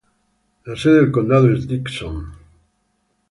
La sede del condado es Dixon.